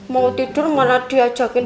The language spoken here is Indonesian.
mau tidur mana diajakin